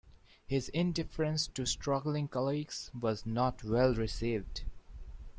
His indifference to struggling colleagues was not well received.